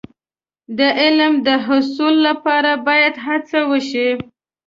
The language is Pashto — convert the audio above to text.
د علم د حصول لپاره باید هڅه وشي.